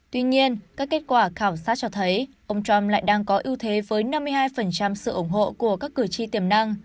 tuy nhiên các kết quả khảo sát cho thấy ông trump lại đang có ưu thế với năm mươi hai sự ủng hộ của các cử tri tiềm năng